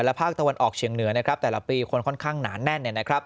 และภาคตะวันออกเชียงเหนือแต่ละปีคนค่อนข้างหนานแน่น